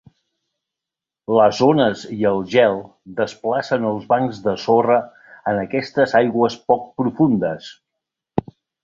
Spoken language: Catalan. Les ones i el gel desplacen els bancs de sorra en aquestes aigües poc profundes.